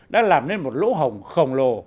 đã làm nên một lỗ hồng khổng lồ